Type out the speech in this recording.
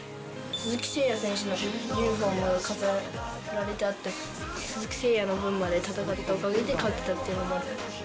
鈴木誠也選手のユニホーム飾られてあって、鈴木誠也の分まで戦ったおかげで勝てたっていうのも。